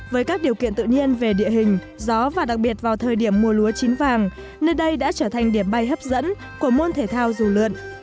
với các điều kiện tự nhiên về địa hình gió và đặc biệt vào thời điểm mùa lúa chín vàng nơi đây đã trở thành điểm bay hấp dẫn của môn thể thao dù lượn